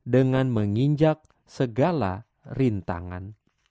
dengan menginjak segala rintangan